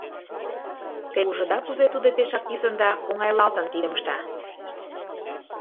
Те ужыда кузе тудо пешак писын да оҥайлалтын тидым ышта!»